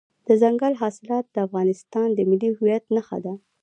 دځنګل حاصلات د افغانستان د ملي هویت نښه ده.